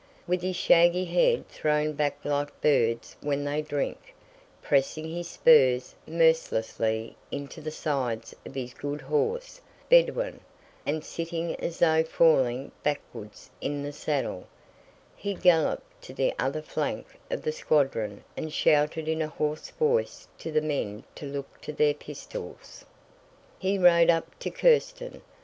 With his shaggy head thrown back like birds when they drink, pressing his spurs mercilessly into the sides of his good horse, Bedouin, and sitting as though falling backwards in the saddle, he galloped to the other flank of the squadron and shouted in a hoarse voice to the men to look to their pistols. He rode up to Kírsten.